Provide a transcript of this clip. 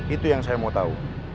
itu yang saya mau tahu